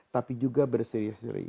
tapi juga berseri seri